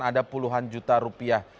ada puluhan juta rupiah